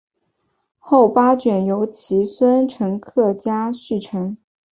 后八卷由其孙陈克家续成。